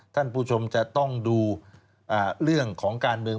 ท่านผู้ชมจะต้องดูเรื่องของการเมือง